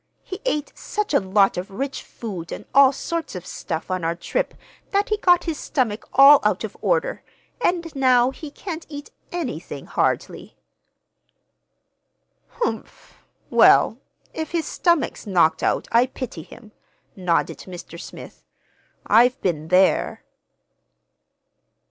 He ate such a lot of rich food and all sorts of stuff on our trip that he got his stomach all out of order; and now he can't eat anything, hardly." "Humph! Well, if his stomach's knocked out I pity him," nodded Mr. Smith. "I've been there."